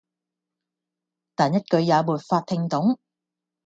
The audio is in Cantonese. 但一句也沒法聽懂